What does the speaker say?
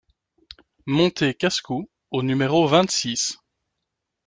Montée Casse-Cou au numéro vingt-six